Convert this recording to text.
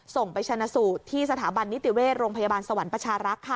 ส่งไปชนะสูตรที่สถาบันนิติเวชโรงพยาบาลสวรรค์ประชารักษ์ค่ะ